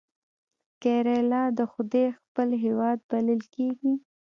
کیرالا د خدای خپل هیواد بلل کیږي.